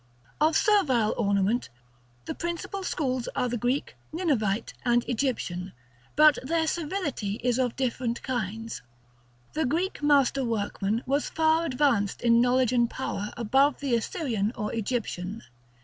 Of Servile ornament, the principal schools are the Greek, Ninevite, and Egyptian; but their servility is of different kinds. The Greek master workman was far advanced in knowledge and power above the Assyrian or Egyptian.